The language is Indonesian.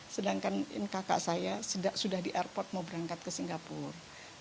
sedangkan kakak saya sudah di airport mau berangkat ke singapura